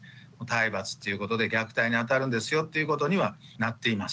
体罰ということで虐待にあたるんですよっていうことにはなっています。